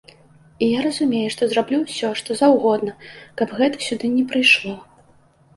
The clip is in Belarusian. І я разумею, што зраблю ўсё, што заўгодна, каб гэта сюды не прыйшло.